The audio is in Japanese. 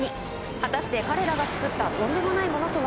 果たして彼らが作ったとんでもないものとは？